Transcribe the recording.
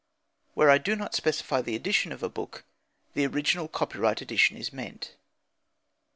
Where I do not specify the edition of a book the original copyright edition is meant.